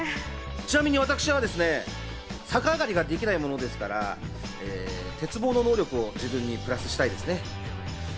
ちなみに私は、逆上がりができないものですから鉄棒の能力を自分にプラスしたいですね。